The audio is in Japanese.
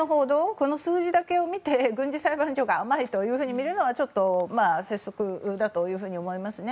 この数字だけを見て軍事裁判所が甘いと見るのはちょっと拙速だと思いますね。